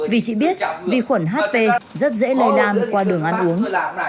vì chị biết vi khuẩn hp rất dễ lời đàm qua đường ăn uống